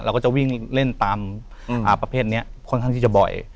ก็จะวิ่งเล่นตามประเภทนี้ค่อนข้างที่จะบ่อย